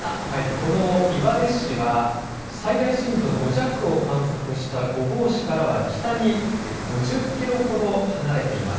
この岩出市は最大震度５弱を観測した御坊市からは北に５０キロほど離れています。